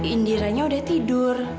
indiranya udah tidur